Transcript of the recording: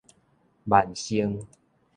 萬盛